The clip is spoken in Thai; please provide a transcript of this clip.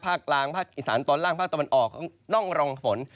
ภาคกลางภาคอีสานตอนล่างภาคตะวันออกต้องรองฝน